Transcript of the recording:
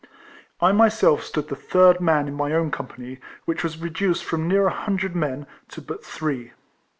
I myself stood the third man in my own company, which was reduced from near a hundred men, to but three.